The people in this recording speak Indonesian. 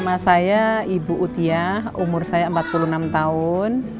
nama saya ibu utiah umur saya empat puluh enam tahun